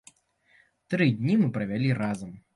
Тры дні мы правялі разам.